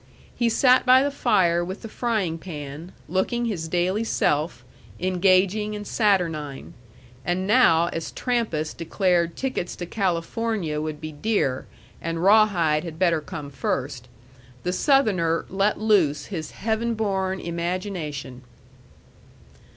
He sat by the fire with the frying pan, looking his daily self engaging and saturnine. And now as Trampas declared tickets to California would be dear and Rawhide had better come first, the Southerner let loose his heaven born imagination.